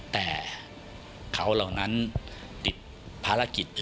แต่เขาเหล่านั้นติดภารกิจ